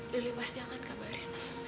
lili pasti akan kabarin